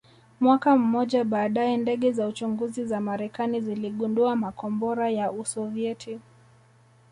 Mwaka mmoja baadae ndege za uchunguzi za Marekani ziligundua makombora ya Usovieti